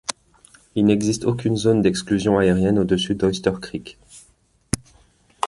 Il n'existe aucune zone d'exclusion aérienne au-dessus d'Oyster Creek.